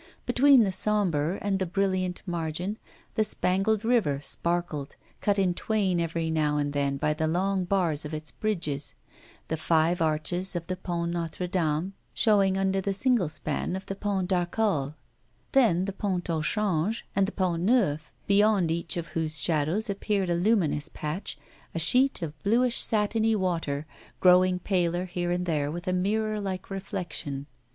Between the sombre and the brilliant margin, the spangled river sparkled, cut in twain every now and then by the long bars of its bridges; the five arches of the Pont Notre Dame showing under the single span of the Pont d'Arcole; then the Pont au Change and the Pont Neuf, beyond each of whose shadows appeared a luminous patch, a sheet of bluish satiny water, growing paler here and there with a mirror like reflection.